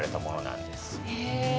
へえ。